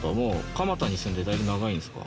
蒲田に住んでだいぶ長いんですか？